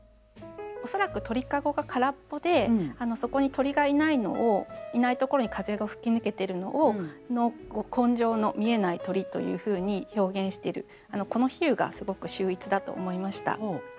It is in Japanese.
恐らく鳥籠が空っぽでそこに鳥がいないのをいないところに風が吹きぬけてるのを「紺青のみえない鳥」というふうに表現してるこの比喩がすごく秀逸だと思いました。